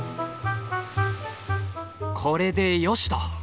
これでよしと。